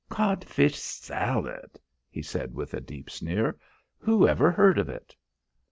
"Cod fish salad!" he said with a deep sneer. "Who ever heard of it!"